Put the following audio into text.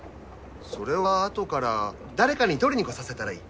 それはあとから誰かに取りに来させたらいい。